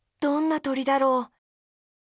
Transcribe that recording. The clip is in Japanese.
どんなとりだろう？